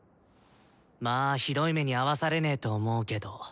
まぁひどい目に遭わされねと思うけど。